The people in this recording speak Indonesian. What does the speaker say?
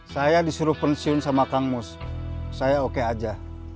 saya disuruh pensiun sama kang mus saya oke aja